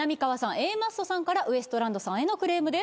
Ａマッソさんからウエストランドさんへのクレームです